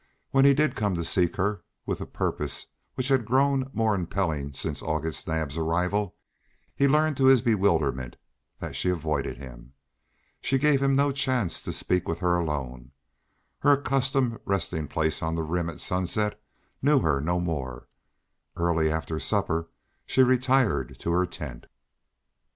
When he did come to seek her, with a purpose which had grown more impelling since August Naab's arrival, he learned to his bewilderment that she avoided him. She gave him no chance to speak with her alone; her accustomed resting place on the rim at sunset knew her no more; early after supper she retired to her tent.